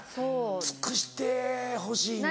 尽くしてほしいんだ。